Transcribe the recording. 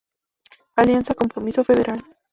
Alianza Compromiso Federal